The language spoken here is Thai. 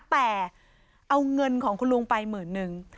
แต่เอาเงินของคุณลุงไปหมื่นนึง